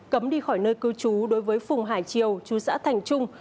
cấm đi khỏi nơi cưu chú đối với phùng hải triều chú xã thành trung